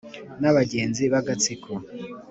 n’abagenzi b’agatsiko